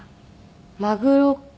マグロか。